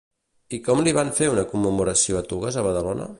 I com li van fer una commemoració a Tugas a Badalona?